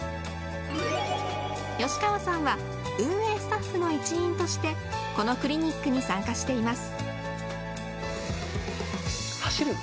吉川さんは運営スタッフの一員としてこのクリニックに参加しています。